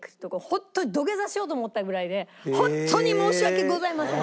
ホントに土下座しようと思ったぐらいで本当に申し訳ございません。